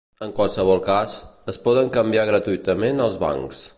En qualsevol cas, es poden canviar gratuïtament als bancs.